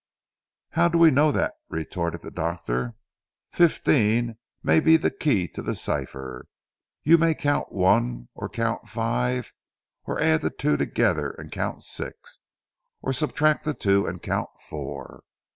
"How do we know that," retorted the doctor. "Fifteen may be the key to the cipher. You may count one, or count five: or add the two together and count six: or subtract the two and count four.